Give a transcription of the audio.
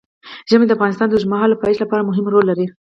ژمی د افغانستان د اوږدمهاله پایښت لپاره مهم رول لري.